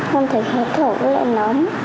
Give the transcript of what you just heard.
không thể hãy thở với lệnh nóng